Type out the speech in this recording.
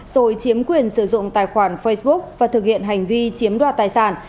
rồi chiếm quyền sử dụng tài khoản facebook và thực hiện hành vi chiếm đoạt tài sản